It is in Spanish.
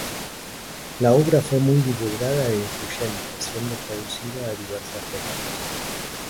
La obra fue muy divulgada e influyente, siendo traducida a diversas lenguas.